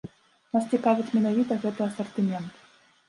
Нас цікавіць менавіта гэты асартымент.